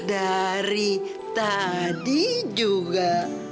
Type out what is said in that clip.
dari tadi juga